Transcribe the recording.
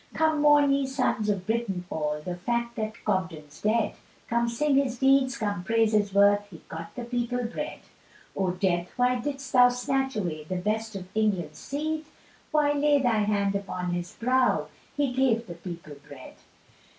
Come mourn ye sons of Britain all, The fact that Cobden's dead: Come sing his deeds, come praise his worth, "He got the people bread." O death why didst thou snatch away The best of England's seed? Why lay thy hand upon his brow? "He gave the people bread."